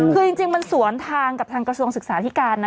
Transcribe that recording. คือจริงมันสวนทางกับทางกระทรวงศึกษาที่การนะ